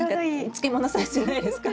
漬物サイズじゃないですか？